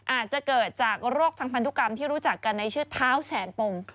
อาจจะเกิดจากโรคทางพันธุกรรมที่รู้จักกันในชื่อเท้าแสนปม